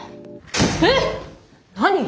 えっ！？何っ！？